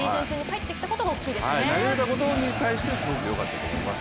投げれたことに対して良かったと思います。